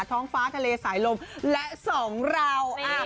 ท้องฟ้าทะเลสายลมและสองเรา